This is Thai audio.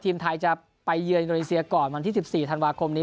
ทีมไทยจะไปเยือนอินโดนีเซียก่อนวันที่๑๔ธันวาคมนี้